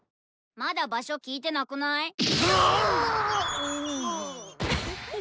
まだ場所聞いてなくない？